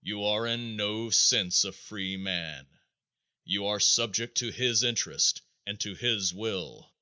You are in no sense a free man. You are subject to his interest and to his will.